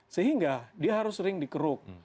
sehingga dia harus sering dikeruk